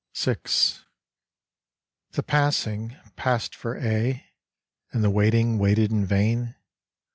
VI. "The passing Passed for aye, And the waiting Waited in vain!